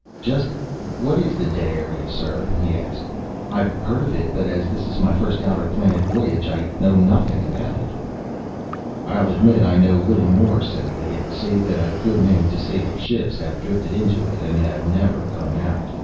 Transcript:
"Just what is this dead area, sir?" he asked. "I've heard of it, but as this is my first outer planet voyage, I know nothing about it." "I'll admit I know little more," said Liggett, "save that a good many disabled ships have drifted into it and have never come out."